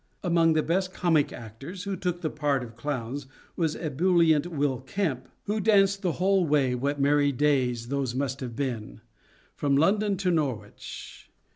Among the best comic actors, who took the part qf clowns, was ebullient Will Kemp, who danced the whole way — ^what merry days those must SHAKESPEAREAN THEATRES 23 have been !— from London to Norwich.